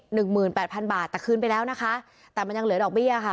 หนึ่งหมื่นแปดพันบาทแต่คืนไปแล้วนะคะแต่มันยังเหลือดอกเบี้ยค่ะ